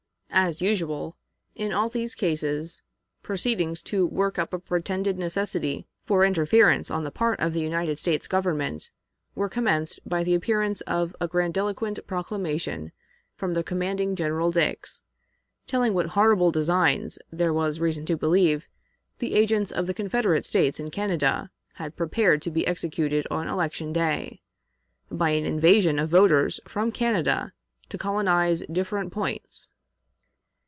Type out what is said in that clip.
As usual, in all these cases, proceedings to work up a pretended necessity for interference on the part of the United States Government were commenced by the appearance of a grandiloquent proclamation from the commanding General, Dix, telling what horrible designs, there was reason to believe, the agents of the Confederate States in Canada had prepared to be executed on election day, by an invasion of voters from Canada to colonize different points.